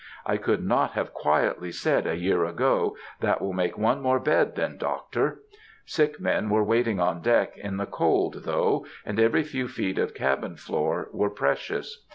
I could not have quietly said a year ago, 'That will make one more bed, then, Doctor.' Sick men were waiting on deck in the cold, though, and every few feet of cabin floor were precious.